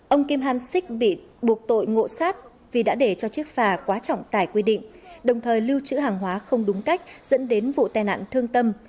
ông kim ham sik bị buộc tội ngộ sát vì đã để cho chiếc phà quá trọng tải quy định đồng thời lưu trữ hàng hóa không đúng cách dẫn đến vụ tai nạn thương tâm